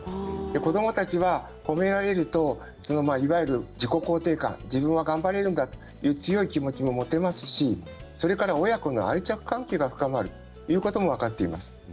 子どもたちは褒められると自己肯定感自分は頑張れるんだという強い気持ちが持てますし親子の愛着関係が深まるということも分かっています。